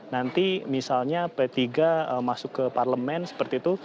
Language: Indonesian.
nanti misalnya p tiga masuk ke parlemen seperti itu